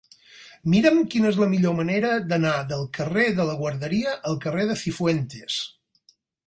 Mira'm quina és la millor manera d'anar del carrer de la Guarderia al carrer de Cifuentes.